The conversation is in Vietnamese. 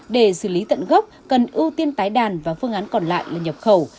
để xử lý tận gốc cần ưu tiên tái đàn và phương án còn lại là nhập khẩu